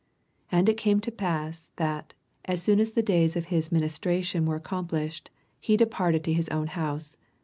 23 And it came to pass, that, as soon as the days of his ministration were accomplished, he departed to his own house.